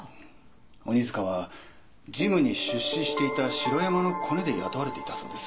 鬼塚はジムに出資していた城山のコネで雇われていたそうです。